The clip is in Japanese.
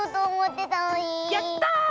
やった！